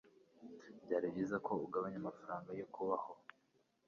Byari byiza ko ugabanya amafaranga yo kubaho.